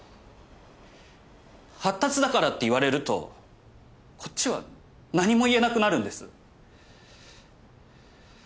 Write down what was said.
発達だからって言われるとこっちは何も言えなくなるんです。